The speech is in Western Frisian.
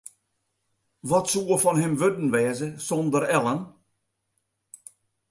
Wat soe fan him wurden wêze sonder Ellen?